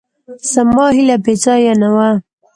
زما هیله بېځایه نه وه.